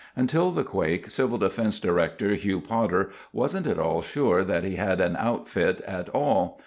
Until the quake, CD Director Hugh Potter wasn't at all sure that he had an outfit at all.